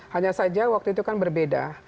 hanya saja waktu itu kan berbeda